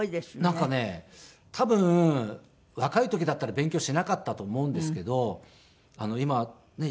なんかね多分若い時だったら勉強しなかったと思うんですけど今ねえ